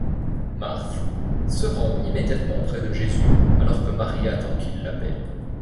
Marthe se rend immédiatement près de Jésus alors que Marie attend qu'il l'appelle.